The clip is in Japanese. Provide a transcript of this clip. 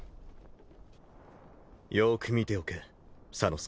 よく見ておけ左之助。